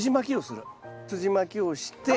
すじまきをして。